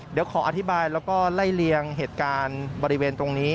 เดี๋ยวขออธิบายแล้วก็ไล่เลียงเหตุการณ์บริเวณตรงนี้